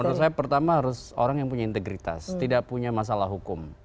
menurut saya pertama harus orang yang punya integritas tidak punya masalah hukum